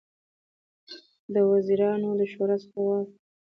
د وزیرانو شورا څه وخت غونډه کوي؟